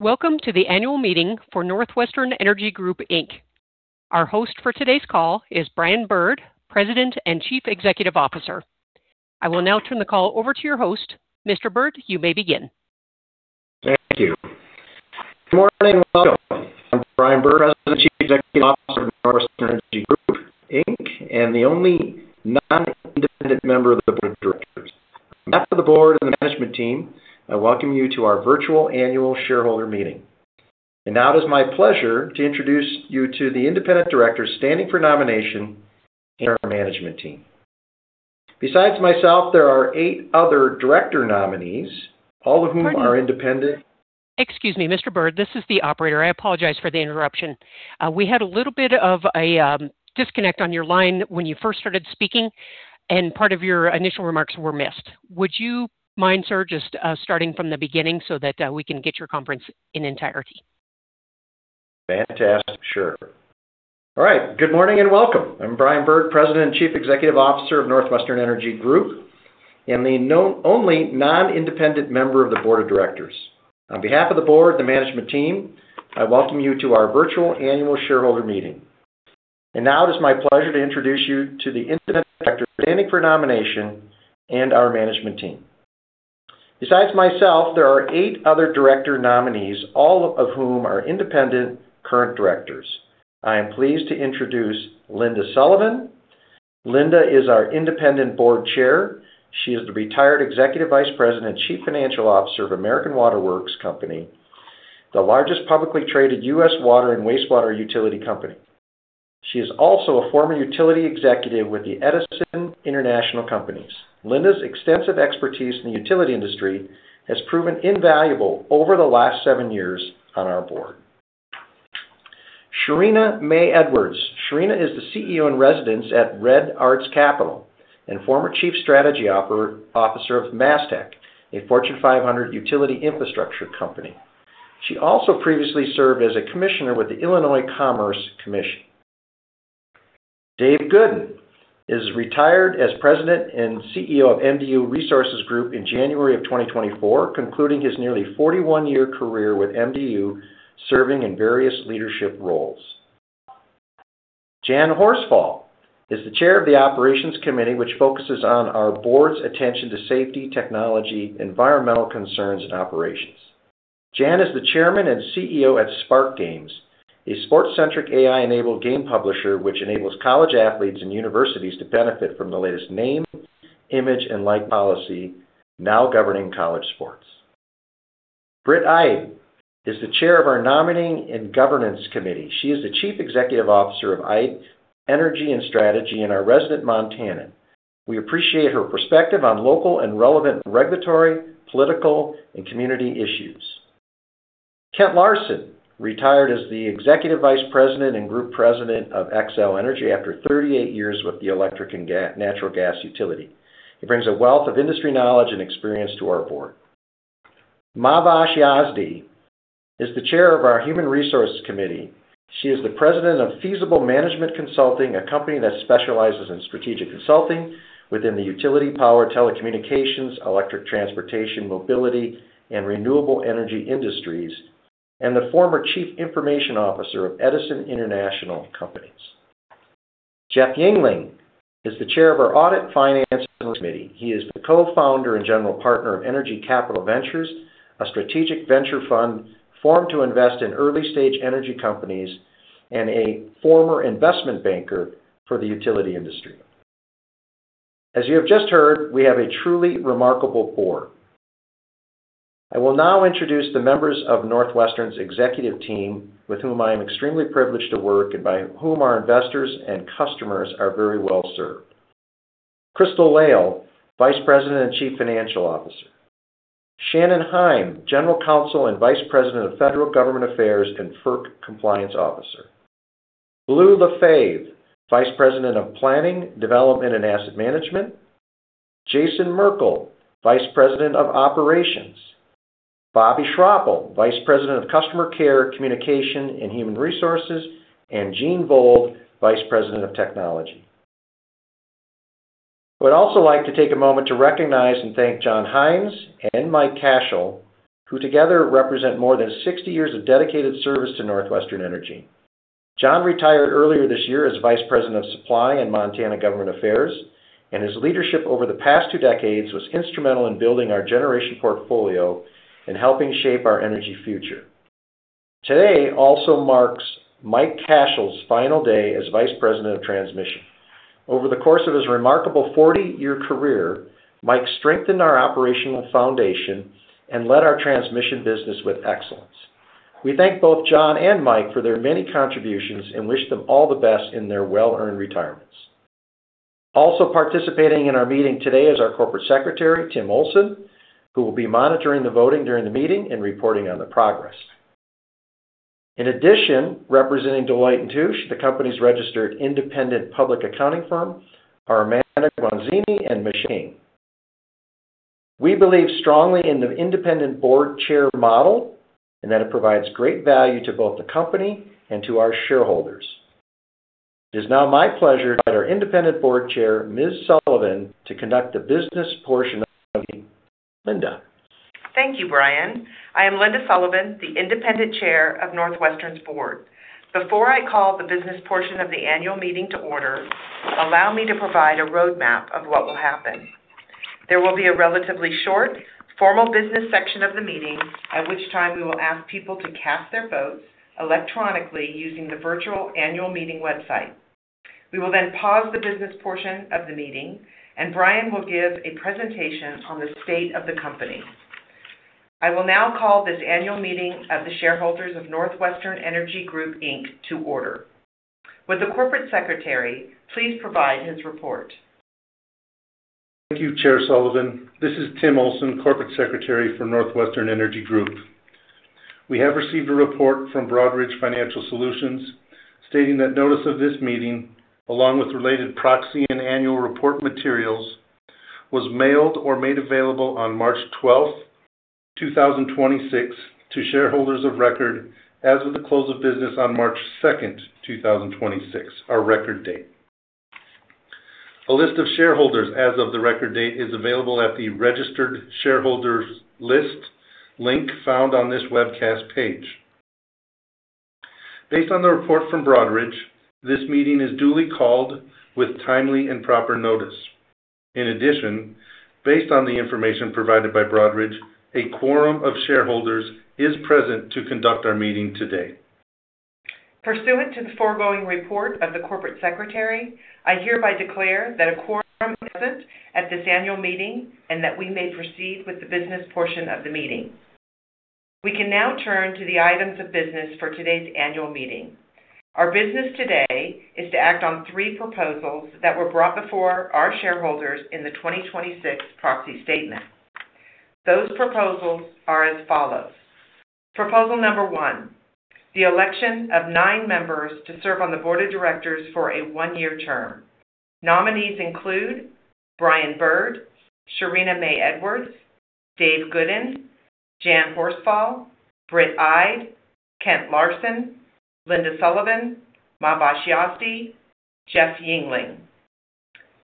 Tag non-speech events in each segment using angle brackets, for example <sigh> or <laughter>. Welcome to the annual meeting for NorthWestern Energy Group, Inc. Our host for today's call is Brian Bird, President and Chief Executive Officer. I will now turn the call over to your host. Mr. Bird, you may begin. Thank you. Good morning, and welcome. I'm Brian Bird, President and Chief Executive Officer of NorthWestern Energy Group, Inc., and the only non-independent member of the board of directors. On behalf of the board and the management team, I welcome you to our virtual annual shareholder meeting. Now it is my pleasure to introduce you to the independent directors standing for nomination and our management team. Besides myself, there are eight other director nominees, all of whom are independent <crosstalk> Pardon me. Excuse me, Mr. Bird, this is the operator. I apologize for the interruption. We had a little bit of a disconnect on your line when you first started speaking, and part of your initial remarks were missed. Would you mind, sir, just starting from the beginning so that we can get your conference in entirety? Fantastic. Sure. All right. Good morning, and welcome. I'm Brian Bird, President and Chief Executive Officer of NorthWestern Energy Group and the only non-independent member of the Board of Directors. On behalf of the Board and the management team, I welcome you to our virtual annual shareholder meeting. Now it is my pleasure to introduce you to the independent Directors standing for nomination and our management team. Besides myself, there are eight other director nominees, all of whom are independent current Directors. I am pleased to introduce Linda Sullivan. Linda is our independent Board Chair. She is the retired Executive Vice President and Chief Financial Officer of American Water Works Company, the largest publicly traded U.S. water and wastewater utility company. She is also a former utility executive with the Edison International companies. Linda's extensive expertise in the utility industry has proven invaluable over the last seven years on our board. Sherina Maye Edwards. Sherina is the CEO-in-Residence at Red Arts Capital and former Chief Strategy Officer of MasTec, a Fortune 500 utility infrastructure company. She also previously served as a commissioner with the Illinois Commerce Commission. Dave Goodin is retired as President and CEO of MDU Resources Group in January of 2024, concluding his nearly 41-year career with MDU, serving in various leadership roles. Jan Horsfall is the Chair of the Operations Committee, which focuses on our board's attention to safety, technology, environmental concerns, and operations. Jan is the Chairman and CEO at Sparq Games, a sports-centric AI-enabled game publisher which enables college athletes and universities to benefit from the latest name, image, and likeness policy now governing college sports. Britt Ide is the Chair of our Nominating and Governance Committee. She is the Chief Executive Officer of Ide Energy & Strategy and our resident Montanan. We appreciate her perspective on local and relevant regulatory, political, and community issues. Kent Larson retired as the Executive Vice President and Group President of Xcel Energy after 38 years with the electric and natural gas utility. He brings a wealth of industry knowledge and experience to our board. Mahvash Yazdi is the Chair of our Human Resources Committee. She is the President of Feasible Management Consulting, a company that specializes in strategic consulting within the utility, power, telecommunications, electric transportation, mobility, and renewable energy industries, and the former Chief Information Officer of Edison International. Jeffrey Yingling is the Chair of our Audit, Finance, and Risk Committee. He is the co-founder and general partner of Energy Capital Ventures, a strategic venture fund formed to invest in early-stage energy companies and a former investment banker for the utility industry. As you have just heard, we have a truly remarkable board. I will now introduce the members of NorthWestern's executive team with whom I am extremely privileged to work and by whom our investors and customers are very well-served. Crystal Lail, Vice President and Chief Financial Officer. Shannon Heim, General Counsel and Vice President of Federal Government Affairs and FERC Compliance Officer. Bleau LaFave, Vice President of Planning, Development, and Asset Management. Jason C. Merkel, Vice President of Operations. Bobbi L. Schroeppel, Vice President of Customer Care, Communication, and Human Resources. Jeanne Vold, Vice President of Technology. I would also like to take a moment to recognize and thank John Hines and Michael Cashell, who together represent more than 60 years of dedicated service to NorthWestern Energy. John retired earlier this year as Vice President - Supply/Montana Government Affairs. His leadership over the past two decades was instrumental in building our generation portfolio and helping shape our energy future. Today also marks Michael Cashell's final day as Vice President - Transmission. Over the course of his remarkable 40-year career, Michael strengthened our operational foundation and led our transmission business with excellence. We thank both John and Michael for their many contributions and wish them all the best in their well-earned retirements. Also participating in our meeting today is our Corporate Secretary, Timothy Olson, who will be monitoring the voting during the meeting and reporting on the progress. In addition, representing Deloitte & Touche, the company's registered independent public accounting firm, are Amanda Bronzini and Michelle King. We believe strongly in the independent board chair model and that it provides great value to both the company and to our shareholders. It is now my pleasure to let our independent board chair, Ms. Sullivan, to conduct the business portion of the meeting. Linda. Thank you, Brian. I am Linda Sullivan, the independent chair of NorthWestern's board. Before I call the business portion of the annual meeting to order, allow me to provide a roadmap of what will happen. There will be a relatively short formal business section of the meeting, at which time we will ask people to cast their votes electronically using the virtual annual meeting website. We will then pause the business portion of the meeting, and Brian will give a presentation on the state of the company. I will now call this annual meeting of the shareholders of NorthWestern Energy Group, Inc. to order. Would the corporate secretary please provide his report? Thank you, Chair Sullivan. This is Tim Olson, Corporate Secretary for NorthWestern Energy Group. We have received a report from Broadridge Financial Solutions stating that notice of this meeting, along with related proxy and annual report materials, was mailed or made available on March 12, 2026 to shareholders of record as of the close of business on March 2, 2026, our record date. A list of shareholders as of the record date is available at the registered shareholders list link found on this webcast page. Based on the report from Broadridge, this meeting is duly called with timely and proper notice. Based on the information provided by Broadridge, a quorum of shareholders is present to conduct our meeting today. Pursuant to the foregoing report of the corporate secretary, I hereby declare that a quorum is present at this annual meeting and that we may proceed with the business portion of the meeting. We can now turn to the items of business for today's annual meeting. Our business today is to act on three proposals that were brought before our shareholders in the 2026 proxy statement. Those proposals are as follows. Proposal 1, the election of nine members to serve on the board of directors for a one-year term. Nominees include Brian Bird, Sherina Maye Edwards, Dave Goodin, Jan Horsfall, Britt Ide, Kent Larson, Linda Sullivan, Mahvash Yazdi, Jeffrey Yingling.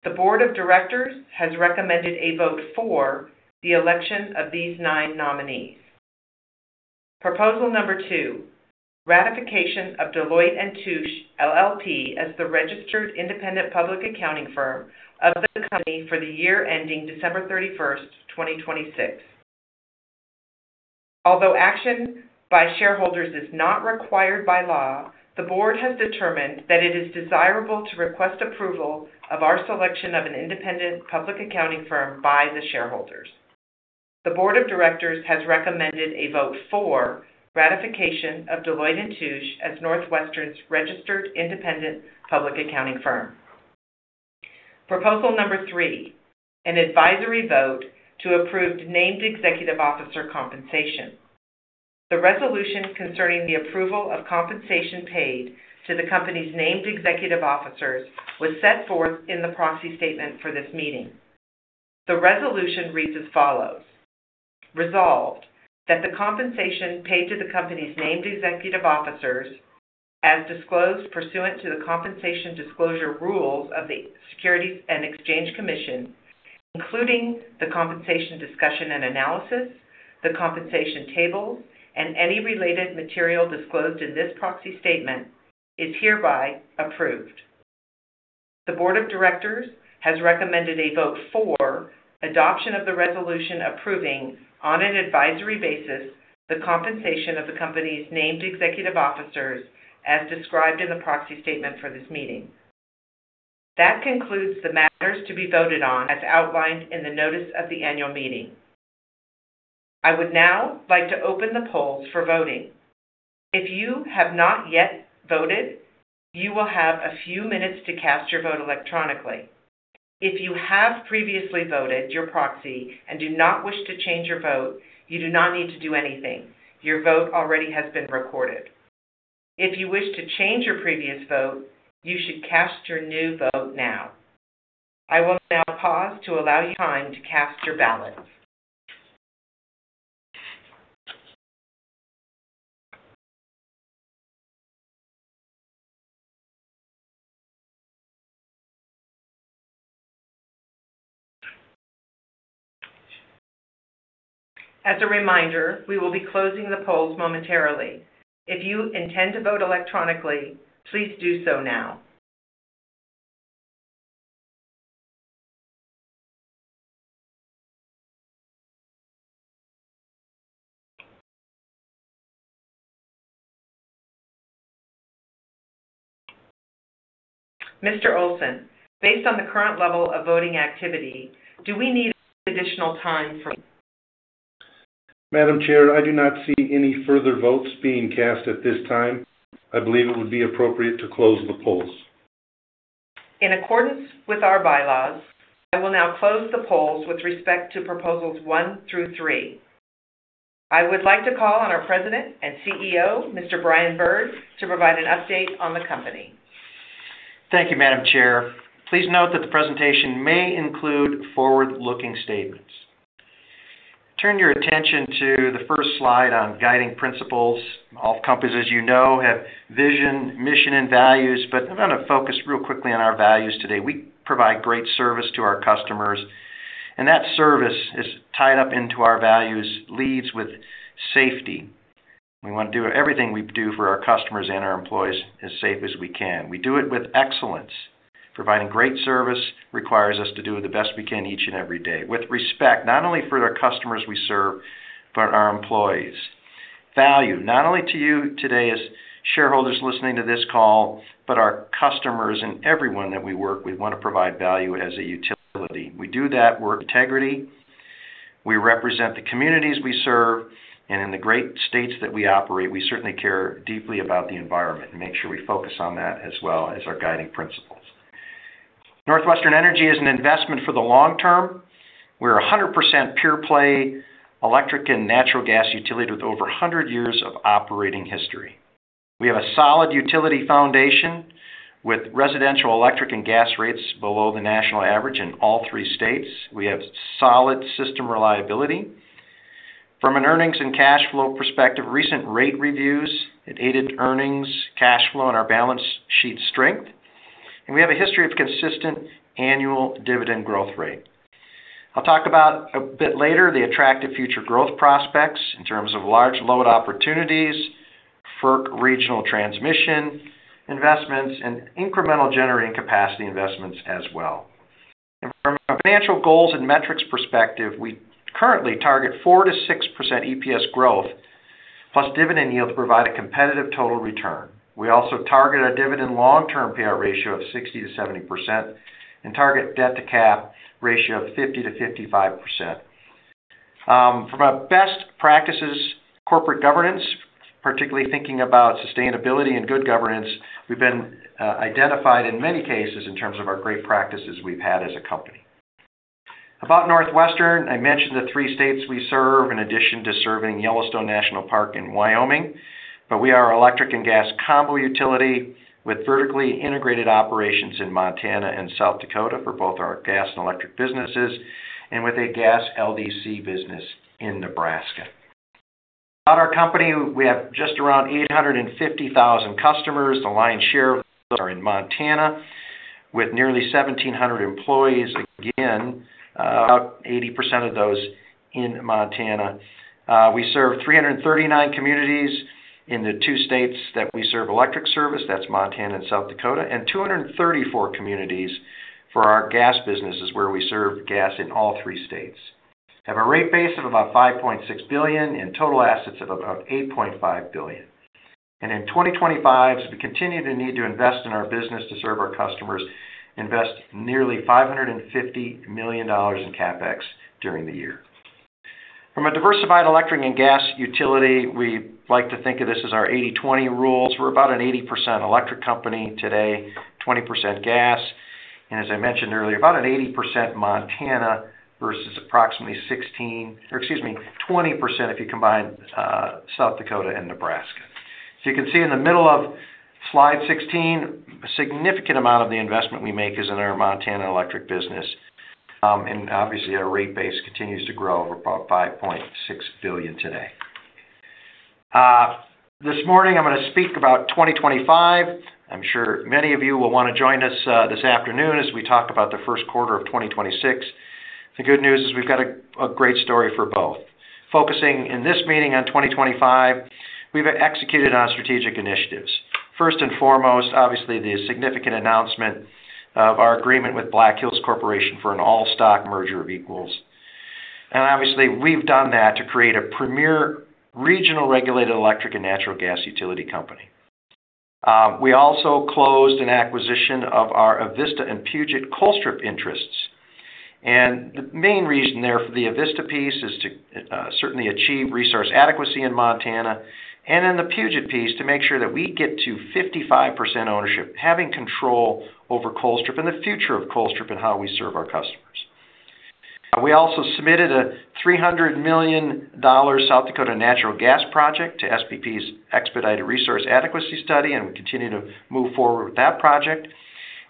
The board of directors has recommended a vote for the election of these nine nominees. Proposal 2, ratification of Deloitte & Touche, LLP as the registered independent public accounting firm of the company for the year ending December 31, 2026. Although action by shareholders is not required by law, the board has determined that it is desirable to request approval of our selection of an independent public accounting firm by the shareholders. The board of directors has recommended a vote for ratification of Deloitte & Touche as NorthWestern's registered independent public accounting firm. Proposal 3, an advisory vote to approve named executive officer compensation. The resolution concerning the approval of compensation paid to the company's named executive officers was set forth in the proxy statement for this meeting. The resolution reads as follows. Resolved, that the compensation paid to the company's named executive officers, as disclosed pursuant to the compensation disclosure rules of the Securities and Exchange Commission, including the compensation discussion and analysis, the compensation table, and any related material disclosed in this proxy statement, is hereby approved. The board of directors has recommended a vote for adoption of the resolution approving, on an advisory basis, the compensation of the company's named executive officers as described in the proxy statement for this meeting. That concludes the matters to be voted on as outlined in the notice of the annual meeting. I would now like to open the polls for voting. If you have not yet voted, you will have a few minutes to cast your vote electronically. If you have previously voted your proxy and do not wish to change your vote, you do not need to do anything. Your vote already has been recorded. If you wish to change your previous vote, you should cast your new vote now. I will now pause to allow you time to cast your ballot. As a reminder, we will be closing the polls momentarily. If you intend to vote electronically, please do so now. Mr. Olson, based on the current level of voting activity, do we need additional time for it? Madam Chair, I do not see any further votes being cast at this time. I believe it would be appropriate to close the polls. In accordance with our bylaws, I will now close the polls with respect to proposals one through three. I would like to call on our President and CEO, Mr. Brian Bird, to provide an update on the company. Thank you, Madam Chair. Please note that the presentation may include forward-looking statements. Turn your attention to the first slide on guiding principles. All companies, as you know, have vision, mission, and values, but I'm gonna focus real quickly on our values today. We provide great service to our customers, and that service is tied up into our values, leads with safety. We want to do everything we do for our customers and our employees as safe as we can. We do it with excellence. Providing great service requires us to do the best we can each and every day. With respect, not only for the customers we serve, but our employees. Value, not only to you today as shareholders listening to this call, but our customers and everyone that we work. We want to provide value as a utility. We do that with integrity. We represent the communities we serve. In the great states that we operate, we certainly care deeply about the environment and make sure we focus on that as well as our guiding principles. NorthWestern Energy is an investment for the long term. We're a 100% pure-play electric and natural gas utility with over 100 years of operating history. We have a solid utility foundation with residential electric and gas rates below the national average in all three states. We have solid system reliability. From an earnings and cash flow perspective, recent rate reviews, it aided earnings, cash flow, and our balance sheet strength. We have a history of consistent annual dividend growth rate. I'll talk about, a bit later, the attractive future growth prospects in terms of large load opportunities, FERC regional transmission investments, and incremental generating capacity investments as well. From a financial goals and metrics perspective, we currently target 4%-6% EPS growth plus dividend yield to provide a competitive total return. We also target a dividend long-term payout ratio of 60%-70% and target debt-to-cap ratio of 50%-55%. From a best practices corporate governance, particularly thinking about sustainability and good governance, we've been identified in many cases in terms of our great practices we've had as a company. About NorthWestern Energy, I mentioned the three states we serve in addition to serving Yellowstone National Park in Wyoming, but we are electric and gas combo utility with vertically integrated operations in Montana and South Dakota for both our gas and electric businesses and with a gas LDC business in Nebraska. About our company, we have just around 850,000 customers. The lion's share of those are in Montana with nearly 1,700 employees, again, about 80% of those in Montana. We serve 339 communities in the two states that we serve electric service, that's Montana and South Dakota, and 234 communities for our gas businesses, where we serve gas in all three states. Have a rate base of about $5.6 billion and total assets of about $8.5 billion. In 2025, as we continue to need to invest in our business to serve our customers, invest nearly $550 million in CapEx during the year. From a diversified electric and gas utility, we like to think of this as our 80/20 rule. We're about an 80% electric company today, 20% gas. As I mentioned earlier, about an 80% Montana versus approximately 20% if you combine South Dakota and Nebraska. You can see in the middle of slide 16, a significant amount of the investment we make is in our Montana electric business. Obviously, our rate base continues to grow over about $5.6 billion today. This morning, I'm gonna speak about 2025. I'm sure many of you will want to join us this afternoon as we talk about the first quarter of 2026. The good news is we've got a great story for both. Focusing in this meeting on 2025, we've executed on strategic initiatives. First and foremost, obviously the significant announcement of our agreement with Black Hills Corporation for an all-stock merger of equals. Obviously, we've done that to create a premier regional regulated electric and natural gas utility company. We also closed an acquisition of our Avista and Puget Colstrip interests. The main reason there for the Avista piece is to certainly achieve resource adequacy in Montana, and in the Puget piece, to make sure that we get to 55% ownership, having control over Colstrip and the future of Colstrip and how we serve our customers. We also submitted a $300 million South Dakota natural gas project to SPP's Expedited Resource Adequacy Study. We continue to move forward with that project.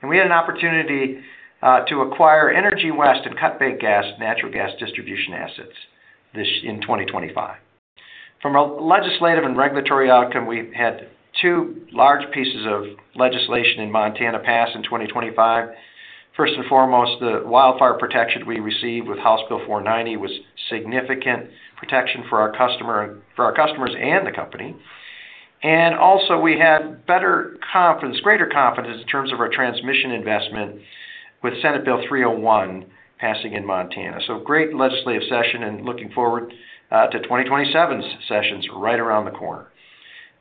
We had an opportunity to acquire Energy West and Cut Bank Gas natural gas distribution assets in 2025. From a legislative and regulatory outcome, we've had two large pieces of legislation in Montana pass in 2025. First and foremost, the wildfire protection we received with House Bill 490 was significant protection for our customer, for our customers and the company. Also, we had better confidence, greater confidence in terms of our transmission investment with Senate Bill 301 passing in Montana. Great legislative session and looking forward to 2027's sessions right around the corner.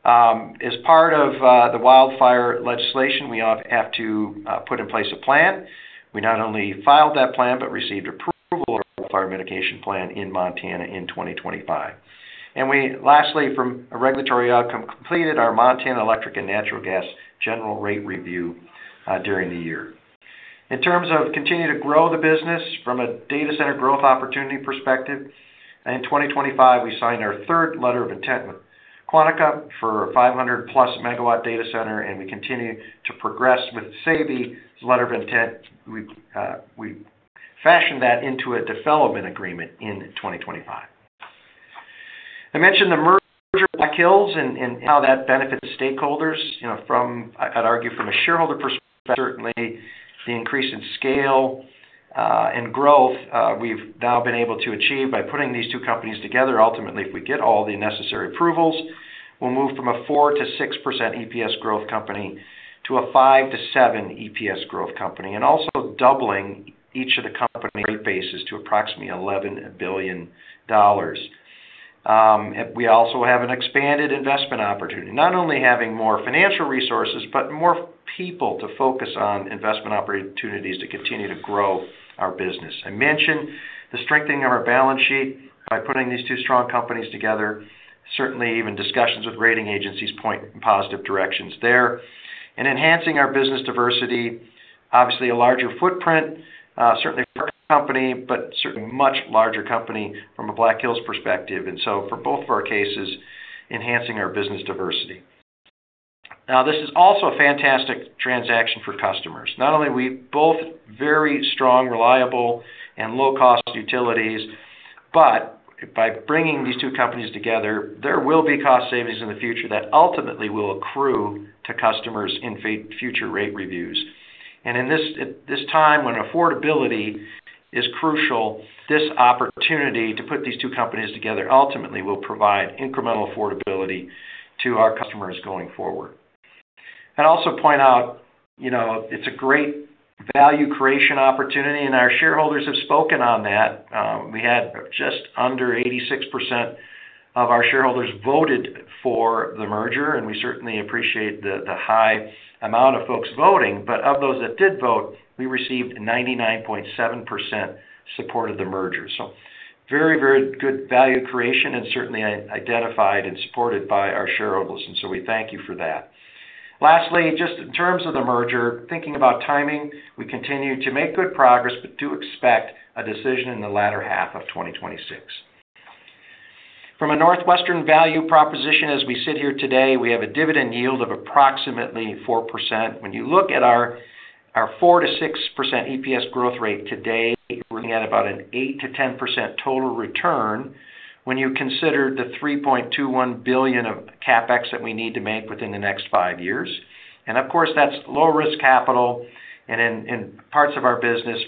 As part of the wildfire legislation, we have to put in place a plan. We not only filed that plan, but received approval of our wildfire mitigation plan in Montana in 2025. We lastly, from a regulatory outcome, completed our Montana Electric and Natural Gas General Rate Review during the year. In terms of continuing to grow the business from a data center growth opportunity perspective, in 2025, we signed our third letter of intent with Quantica for a 500-plus-megawatt data center, and we continue to progress with Savvy's letter of intent. We fashioned that into a development agreement in 2025. I mentioned the merger with Black Hills and how that benefits stakeholders, you know, from, I'd argue from a shareholder perspective, certainly the increase in scale and growth we've now been able to achieve by putting these two companies together. Ultimately, if we get all the necessary approvals, we'll move from a 4%-6% EPS growth company to a 5%-7% EPS growth company, and also doubling each of the company's rate bases to approximately $11 billion. We also have an expanded investment opportunity. Not only having more financial resources, but more people to focus on investment opportunities to continue to grow our business. I mentioned the strengthening of our balance sheet by putting these two strong companies together. Even discussions with rating agencies point in positive directions there. Enhancing our business diversity, obviously a larger footprint, certainly for our company, but certainly much larger company from a Black Hills perspective. For both of our cases, enhancing our business diversity. This is also a fantastic transaction for customers. Not only are we both very strong, reliable, and low-cost utilities, but by bringing these two companies together, there will be cost savings in the future that ultimately will accrue to customers in future rate reviews. In this time when affordability is crucial, this opportunity to put these two companies together ultimately will provide incremental affordability to our customers going forward. I'd also point out, you know, it's a great value creation opportunity. Our shareholders have spoken on that. We had just under 86% of our shareholders voted for the merger. We certainly appreciate the high amount of folks voting. Of those that did vote, we received 99.7% support of the merger. Very good value creation and certainly identified and supported by our shareholders. We thank you for that. Lastly, just in terms of the merger, thinking about timing, we continue to make good progress, but do expect a decision in the latter half of 2026. From a NorthWestern value proposition, as we sit here today, we have a dividend yield of approximately 4%. When you look at our 4%-6% EPS growth rate today, we're looking at about an 8%-10% total return when you consider the $3.21 billion of CapEx that we need to make within the next five years. Of course, that's low-risk capital in parts of our business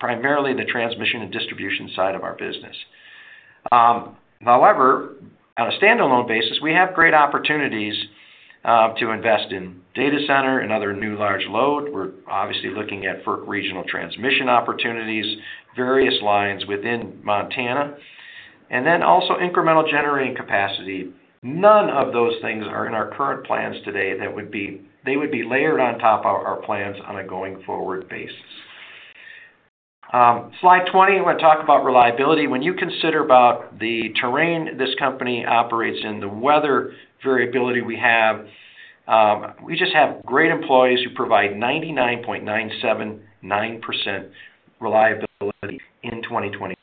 primarily the transmission and distribution side of our business. However, on a standalone basis, we have great opportunities to invest in data center and other new large load. We're obviously looking at regional transmission opportunities, various lines within Montana, and then also incremental generating capacity. None of those things are in our current plans today. They would be layered on top of our plans on a going-forward basis. Slide 20, I'm going to talk about reliability. When you consider about the terrain this company operates in, the weather variability we have, we just have great employees who provide 99.979% reliability in 2025.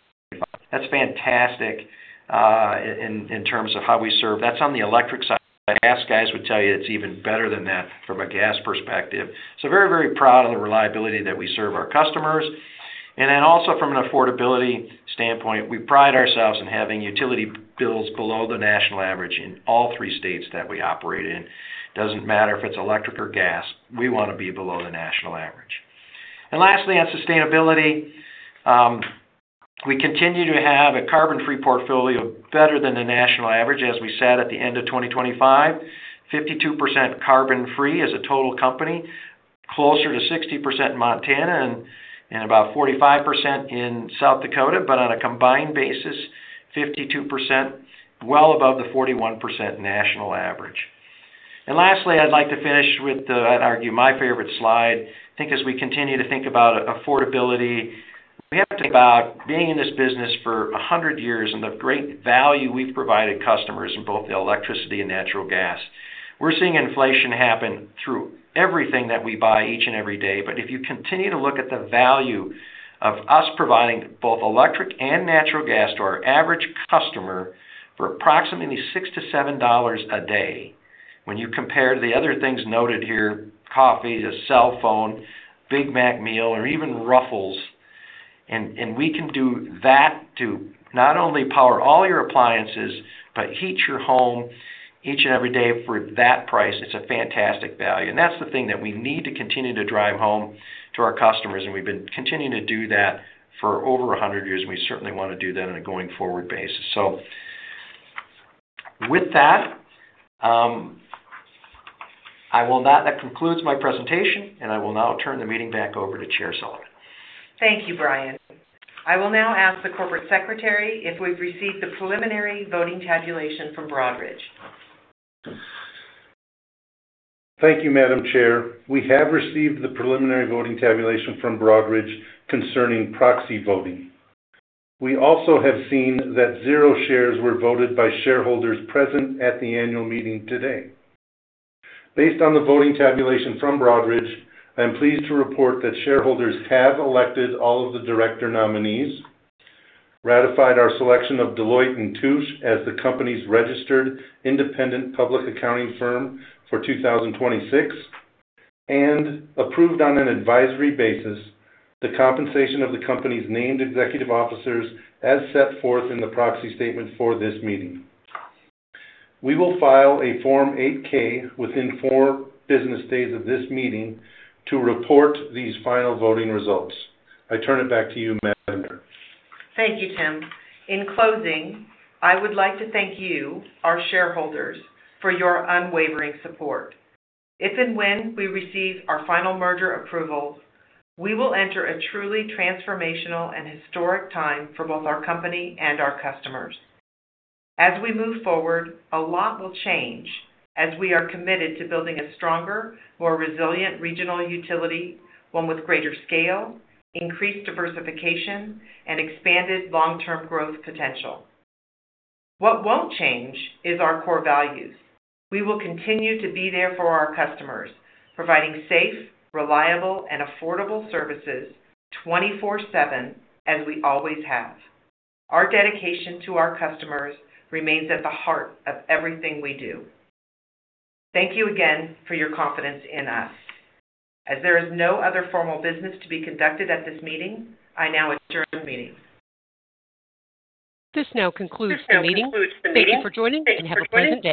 That's fantastic in terms of how we serve. That's on the electric side. The gas guys would tell you it's even better than that from a gas perspective. Very proud of the reliability that we serve our customers. Then also from an affordability standpoint, we pride ourselves in having utility bills below the national average in all three states that we operate in. Doesn't matter if it's electric or gas, we want to be below the national average. Lastly, on sustainability, we continue to have a carbon-free portfolio better than the national average. As we said at the end of 2025, 52% carbon-free as a total company, closer to 60% Montana and about 45% in South Dakota. On a combined basis, 52%, well above the 41% national average. Lastly, I'd like to finish with the, I'd argue, my favorite slide. I think as we continue to think about affordability, we have to think about being in this business for 100 years and the great value we've provided customers in both the electricity and natural gas. We're seeing inflation happen through everything that we buy each and every day. If you continue to look at the value of us providing both electric and natural gas to our average customer for approximately $6-$7 a day, when you compare the other things noted here, coffee, a cell phone, Big Mac meal, or even Ruffles, and we can do that to not only power all your appliances, but heat your home each and every day for that price, it's a fantastic value. That's the thing that we need to continue to drive home to our customers, and we've been continuing to do that for over 100 years, and we certainly want to do that on a going-forward basis. With that concludes my presentation, and I will now turn the meeting back over to Chair Sullivan. Thank you, Brian. I will now ask the Corporate Secretary if we've received the preliminary voting tabulation from Broadridge. Thank you, Madam Chair. We have received the preliminary voting tabulation from Broadridge concerning proxy voting. We also have seen that zero shares were voted by shareholders present at the annual meeting today. Based on the voting tabulation from Broadridge, I'm pleased to report that shareholders have elected all of the director nominees, ratified our selection of Deloitte & Touche as the company's registered independent public accounting firm for 2026, and approved on an advisory basis the compensation of the company's named executive officers as set forth in the proxy statement for this meeting. We will file a Form 8-K within four business days of this meeting to report these final voting results. I turn it back to you, Madam Linda. Thank you, Tim. In closing, I would like to thank you, our shareholders, for your unwavering support. If and when we receive our final merger approvals, we will enter a truly transformational and historic time for both our company and our customers. As we move forward, a lot will change, as we are committed to building a stronger, more resilient regional utility, one with greater scale, increased diversification, and expanded long-term growth potential. What won't change is our core values. We will continue to be there for our customers, providing safe, reliable, and affordable services 24/7, as we always have. Our dedication to our customers remains at the heart of everything we do. Thank you again for your confidence in us. As there is no other formal business to be conducted at this meeting, I now adjourn the meeting. This now concludes the meeting. Thank you for joining and have a pleasant day.